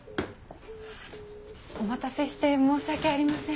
お待たせして申し訳ありません。